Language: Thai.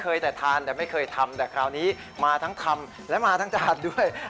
แต่ทานแต่ไม่เคยทำแต่คราวนี้มาทั้งทำและมาทั้งจานด้วย